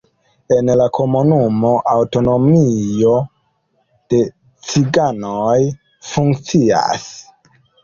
En la komunumo aŭtonomio de ciganoj funkcias.